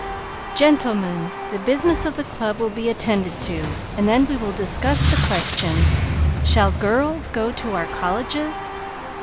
"Gentlemen, the business of the club will be attended to, and then we will discuss the question, 'Shall girls go to our colleges?'